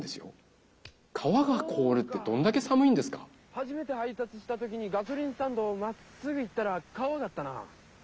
はじめてはいたつしたときにガソリンスタンドをまっすぐ行ったら川があったな。